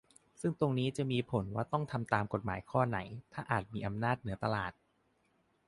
ซึ่งตรงนี้จะมีผลว่าต้องทำตามกฎหมายข้อไหน ถ้าอาจมีอำนาจเหนือตลาด